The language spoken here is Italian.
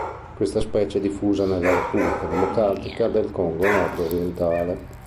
Questa specie è diffusa nella Repubblica Democratica del Congo nord-orientale.